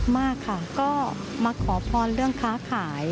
มากค่ะก็มาขอพรเรื่องค้าขาย